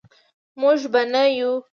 موږ به نه یو.